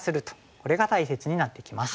これが大切になってきます。